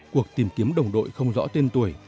cuộc tìm kiếm đồng đội không rõ tên tuổi